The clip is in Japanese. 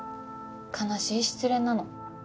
悲しい失恋なの。